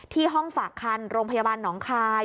ที่ห้องฝากคันโรงพยาบาลหนองคาย